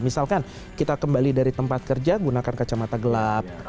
misalkan kita kembali dari tempat kerja gunakan kacamata gelap